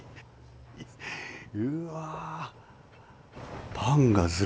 うわ。